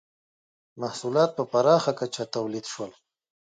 • محصولات په پراخه کچه تولید شول.